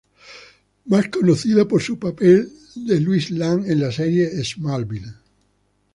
Más conocida por su papel de Lois Lane en la serie "Smallville".